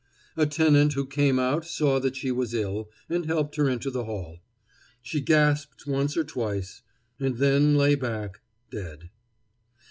A tenant who came out saw that she was ill, and helped her into the hall. She gasped once or twice, and then lay back, dead.